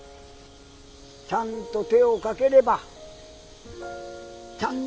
ちゃんと手をかければちゃんとみのる。